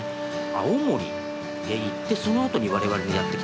青森へ行ってそのあとに我々にやって来た。